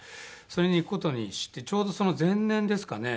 それに行く事にしてちょうどその前年ですかね。